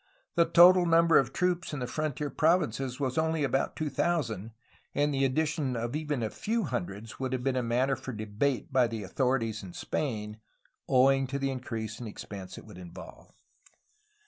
The total number of troops then in the frontier provinces was only about two thousand, and the addition of even a few hundreds would have been matter for debate by the authorities in Spain, owing to the increase in expense it would involve.